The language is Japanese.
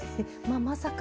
まさか。